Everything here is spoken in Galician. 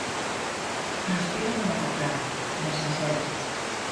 Inspírome no cotián, no sinxelo.